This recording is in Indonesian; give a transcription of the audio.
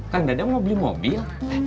kang dadang mau beli mobil